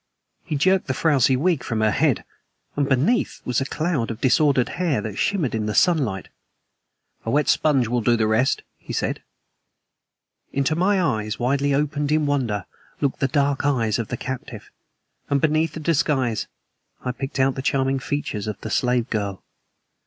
He jerked the frowsy wig from her head, and beneath was a cloud of disordered hair that shimmered in the sunlight. "A wet sponge will do the rest," he said. Into my eyes, widely opened in wonder, looked the dark eyes of the captive; and beneath the disguise I picked out the charming features of the slave girl.